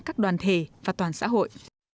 các đoàn thể và toàn xã hội